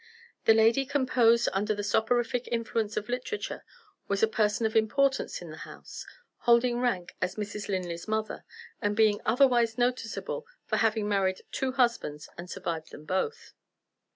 The lady composed under the soporific influence of literature was a person of importance in the house holding rank as Mrs. Linley's mother; and being otherwise noticeable for having married two husbands, and survived them both.